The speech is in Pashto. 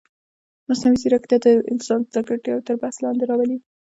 مصنوعي ځیرکتیا د انسان ځانګړتیاوې تر بحث لاندې راولي.